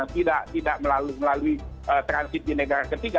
tidak melalui transit di negara ketiga